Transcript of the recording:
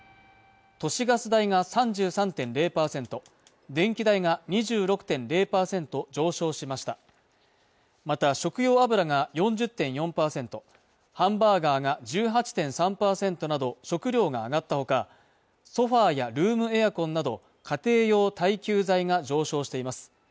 都市ガス代が３３．０％電気代が２６．０％上昇しましたまた食用油が４０．４％ハンバーガーが１８．３％など食料が上がったほかソファーやルームエアコンなど家庭用耐久財が上昇しています